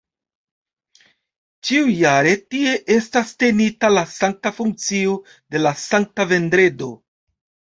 Ĉiujare tie estas tenita la sankta funkcio de la Sankta Vendredo.